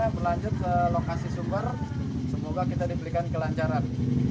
kita berlanjut ke lokasi sumber semoga kita diberikan kelancaran